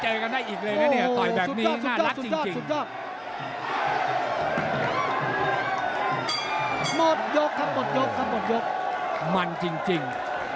หมดยกครับหมดยกหมดยกมันจริงจริง